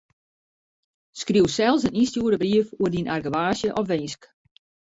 Skriuw sels in ynstjoerde brief oer dyn argewaasje of winsk.